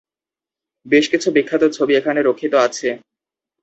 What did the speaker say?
বেশ কিছু বিখ্যাত ছবি এখানে রক্ষিত আছে।